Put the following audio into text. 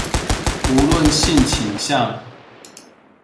無論性傾向